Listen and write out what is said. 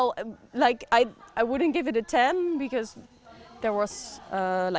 ya sangat bagus melihat semua alam semesta di sini